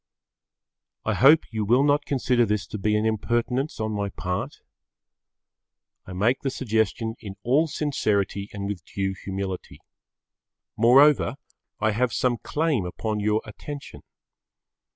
I hope you will not consider this to be an impertinence on my part. I make the suggestion in all sincerity and with due humility. Moreover I have some claim upon your attention.